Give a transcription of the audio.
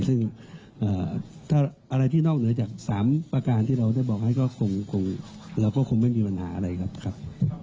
ซึ่งอะไรที่นอกเหนือจากสามประการที่เราจะบอกให้ก็คงไม่มีปัญหาอะไรครับ